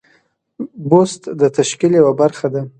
بست د تشکیل یوه برخه ده.